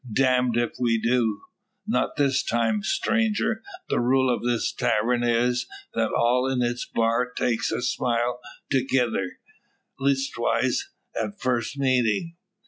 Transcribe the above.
"Damned if we do! Not this time, stranger. The rule o' this tavern is, that all in its bar takes a smile thegither leastwise on first meeting.